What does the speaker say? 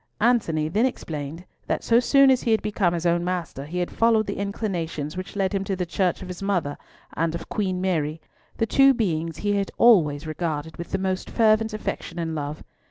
Antony then explained that so soon as he had become his own master he had followed the inclinations which led him to the church of his mother and of Queen Mary, the two beings he had always regarded with the most fervent affection and love.